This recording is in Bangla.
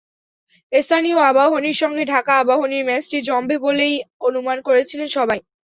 স্থানীয় আবাহনীর সঙ্গে ঢাকা আবাহনীর ম্যাচটি জমবে বলেই অনুমান করছিলেন সবাই।